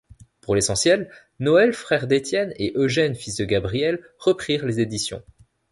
Pour l'essentiel, Noël frère d'Étienne et Eugène fils de Gabriel reprirent les éditions.